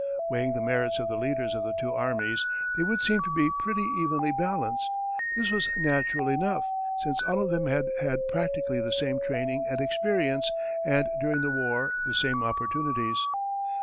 Weighing the merits of the leaders of the two armies, they would seem to be pretty evenly balanced. This was natural enough, since all of them had had practically the same training and experience, and, during the war, the same opportunities.